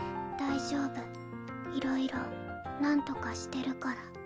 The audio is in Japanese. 大丈夫いろいろなんとかしてるから。